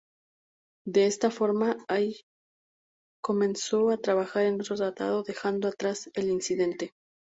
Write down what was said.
De esta forma, Hay comenzó a trabajar en otro tratado, dejando atrás el incidente.